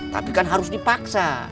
tapi kan harus dipaksa